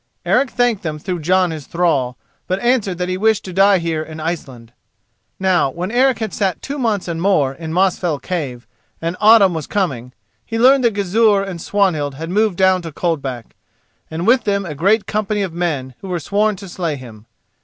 Eric thanked them through Jon his thrall, but answered that he wished to die here in Iceland. Now, when Eric had sat two months and more in Mosfell cave and autumn was coming, he learned that Gizur and Swanhild had moved down to Coldback, and with them a great company of men who were sworn to slay him.